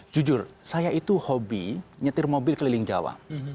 jujur saya itu hobi nyetir mobil keliling jawa